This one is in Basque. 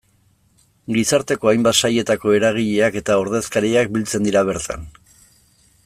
Gizarteko hainbat sailetako eragileak eta ordezkariak biltzen dira bertan.